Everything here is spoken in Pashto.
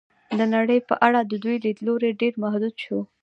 د نړۍ په اړه د دوی لید لوری ډېر محدود شو.